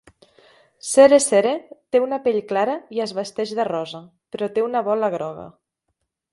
CereCere té una pell clara i es vesteix de rosa, però té una bola groga.